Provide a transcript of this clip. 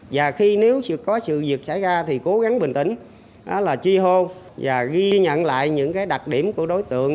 và khi có sự diệt xảy ra thì cố gắng bình tĩnh truy hô và ghi nhận lại những đặc điểm của đối tượng